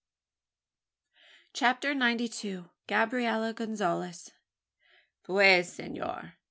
CHAPTER NINETY TWO. GABRIELLA GONZALES. "Puez, Senor!"